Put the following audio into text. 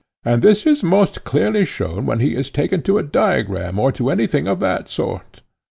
And this is most clearly shown when he is taken to a diagram or to anything of that sort.